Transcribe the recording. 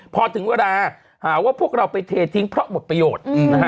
พอถึงเวลาหาว่าพวกเราไปเททิ้งเพราะหมดประโยชน์นะฮะ